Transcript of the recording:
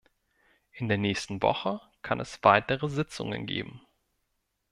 In der nächsten Woche kann es weitere Sitzungen geben.